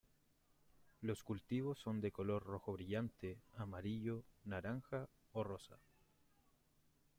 Los cultivos son de color rojo brillante, amarillo, naranja o rosa.